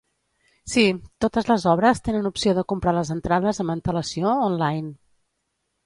Sí, totes les obres tenen opció de comprar les entrades amb antel·lacio online.